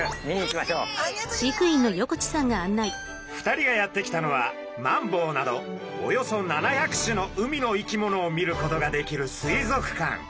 ２人がやって来たのはマンボウなどおよそ７００種の海の生き物を見ることができる水族館。